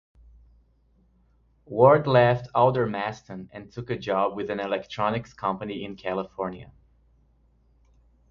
Ward left Aldermaston and took a job with an electronics company in California.